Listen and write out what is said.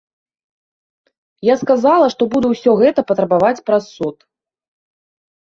Я сказала, што буду ўсё гэта патрабаваць праз суд.